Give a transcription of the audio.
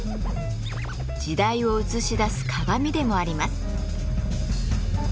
時代を映し出す鏡でもあります。